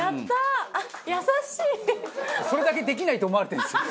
それだけできないと思われてるんですよ。